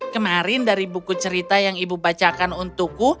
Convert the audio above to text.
kemarin dari buku cerita yang ibu bacakan untukku